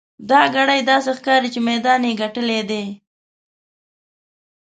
دا ګړی داسې ښکاري چې میدان یې ګټلی دی.